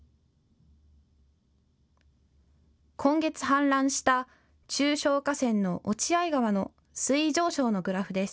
今月、氾濫した中小河川の落合川の水位上昇のグラフです。